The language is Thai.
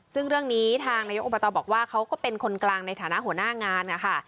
ซึ่งเรื่องนี้ทางนายกอบตบอกว่าเขาก็เป็นคนกลางในฐานะหัวหน้างานนะคะ